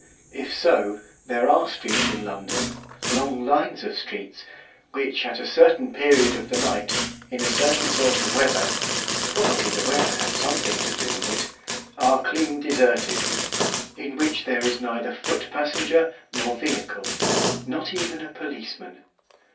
If so, there are streets in London, long lines of streets, which, at a certain period of the night, in a certain sort of weather probably the weather had something to do with it are clean deserted; in which there is neither foot passenger nor vehicle, not even a policeman.